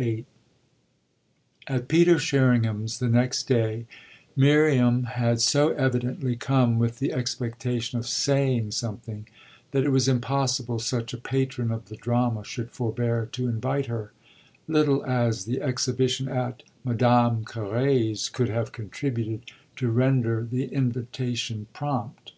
VIII At Peter Sherringham's the next day Miriam had so evidently come with the expectation of "saying" something that it was impossible such a patron of the drama should forbear to invite her, little as the exhibition at Madame Carré's could have contributed to render the invitation prompt.